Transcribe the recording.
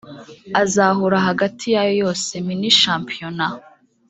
azahura hagati yayo yose (Mini- Championnat)